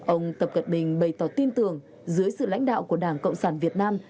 ông tập cận bình bày tỏ tin tưởng dưới sự lãnh đạo của đảng cộng sản việt nam